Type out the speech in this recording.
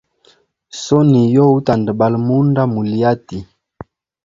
Soni yo utalama munda muli hati.